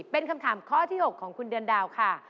เป็นคำถามข้อที่๖ของคุณเดือนดาวค่ะ